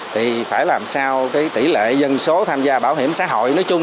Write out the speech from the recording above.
thì phải làm sao cái tỷ lệ dân số tham gia bảo hiểm xã hội